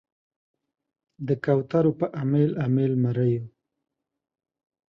د کوترو په امیل، امیل مریو